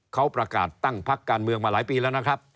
เขาประกาศตั้งพักการเมืองมาหลายปีแล้วนะครับ